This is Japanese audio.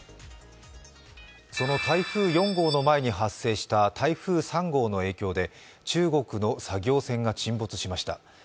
その台風４号の前に発生した台風３号の影響で中国の作業船が沈没しました。